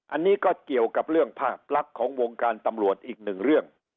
อันนี้ก็เกี่ยวกับเรื่องภาพลักษณ์ของวงการตำรวจอีกหนึ่งเรื่อง